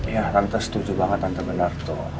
ya tante setuju banget tante benar tuh